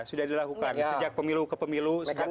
sudah dilakukan sejak pemilu ke pemilu sejak